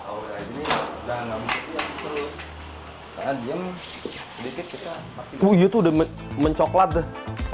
oh iya tuh udah mencoklat dah